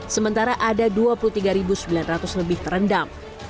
sementara ada dua puluh tiga sembilan ratus lebih terendam